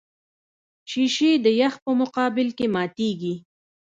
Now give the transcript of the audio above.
شیشې د یخ په مقابل کې ماتېږي.